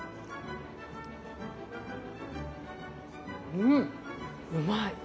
うんうまい。